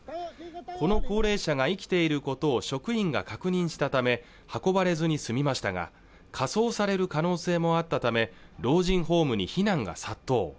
この高齢者が生きていることを職員が確認したため運ばれずに済みましたが火葬される可能性もあったため老人ホームに非難が殺到